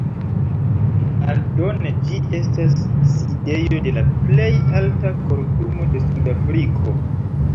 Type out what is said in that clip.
Aldone ĝi estas sidejo de la plej alta kortumo de Sudafriko.